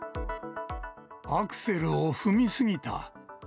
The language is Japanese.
アクセルを踏み過ぎた。